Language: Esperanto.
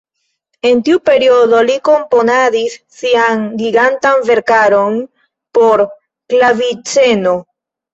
En tiu periodo li komponadis sian gigantan verkaron por klaviceno.